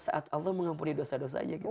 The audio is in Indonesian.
saat allah mengampuni dosa dosanya